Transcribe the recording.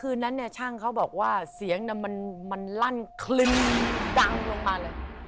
คืนนั้นเนี่ยช่างเขาบอกว่าเสียงมันลั่นคลึนดังลงมาเลย